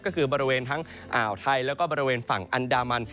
ก็คือบริเวณทั้งอ่าวไทยแล้วก็บริเวณฝั่งอันดามัน